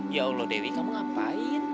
ya allah dewi kamu ngapain